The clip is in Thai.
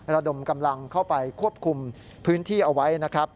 ระดมกำลังเข้าไปควบคุมพื้นที่เอาไว้นะครับ